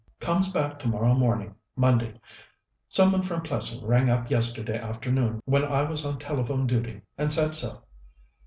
"Comes back tomorrow morning, Monday. Some one from Plessing rang up yesterday afternoon when I was on telephone duty and said so."